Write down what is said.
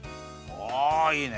おいいね。